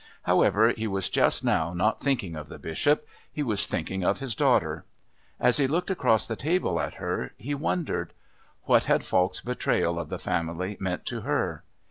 However, he was just now not thinking of the Bishop; he was thinking of his daughter. As he looked across the table at her he wondered. What had Falk's betrayal of the family meant to her?